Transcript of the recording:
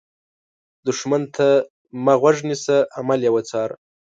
دښمن ته مه غوږ نیسه، عمل یې وڅار